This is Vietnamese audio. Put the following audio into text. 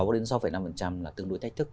sáu đến sáu năm là tương đối thách thức